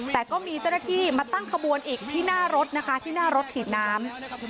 แต่ก็มีเจ้าหน้าที่มาตั้งขบวนอีกที่หน้ารถนะคะที่หน้ารถฉีดน้ำ